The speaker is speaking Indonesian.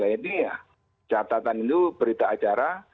ini ya catatan itu berita acara